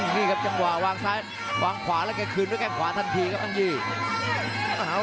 นี่ครับจังหวะวางขวาแล้วก็คืนด้วยแข่งขวาทันทีครับอังยือ